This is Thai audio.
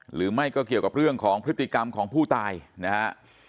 หรือไม่ก็เกี่ยวกับเรื่องของพฤติกรรมของผู้ตายนะฮะ